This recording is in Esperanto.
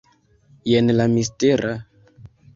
Jen la mistera...